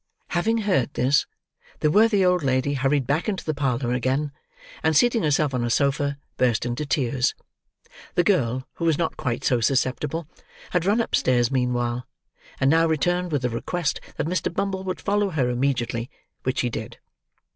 Having heard this, the worthy old lady hurried back into the parlour again; and seating herself on a sofa, burst into tears. The girl, who was not quite so susceptible, had run upstairs meanwhile; and now returned with a request that Mr. Bumble would follow her immediately: which he did.